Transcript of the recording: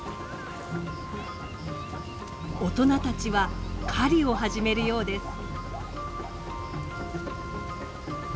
大人たちは狩りを始めるようです。